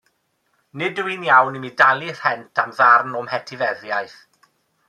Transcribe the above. Nid yw hi'n iawn i mi dalu rhent am ddarn o'm etifeddiaeth.